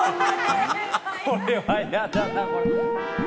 これはヤダなこれ。